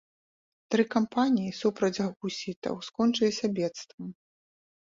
Тры кампаніі супраць гусітаў, скончыліся бедствам.